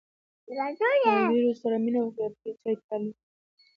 له ډېرو سره مینه وکړئ، او پر هيچا اعتبار مه کوئ!